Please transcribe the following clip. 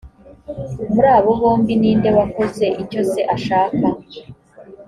muri abo bombi ni nde wakoze icyo se ashaka